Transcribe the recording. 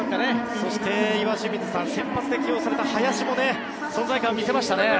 そして岩清水さん先発で起用された林も存在感を見せましたね。